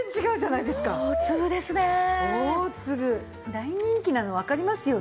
大人気なのわかりますよね。